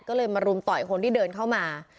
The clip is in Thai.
ก็เลยมารุมต่อยคนที่เดินเข้ามา